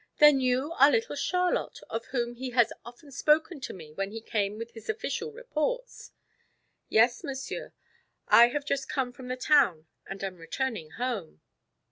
Then you are little Charlotte of whom he has often spoken to me when he came with his official reports?" "Yes, Monsieur; I have just come from the town and am returning home."